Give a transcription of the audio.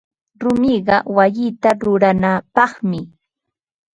Rumiqa wayita ruranapaqmi.